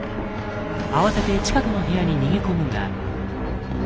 慌てて近くの部屋に逃げ込むが。